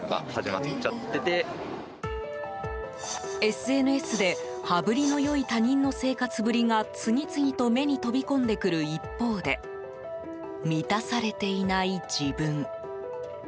ＳＮＳで羽振りの良い他人の生活ぶりが次々と目に飛び込んでくる一方で満たされていない自分。